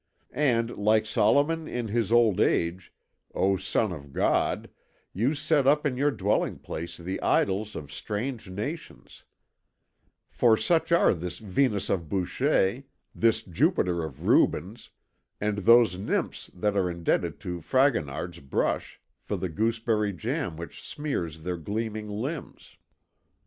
And, like Solomon in his old age, O son of God, you set up in your dwelling place the idols of strange nations: for such are this Venus of Boucher, this Jupiter of Rubens, and those nymphs that are indebted to Fragonard's brush for the gooseberry jam which smears their gleaming limbs.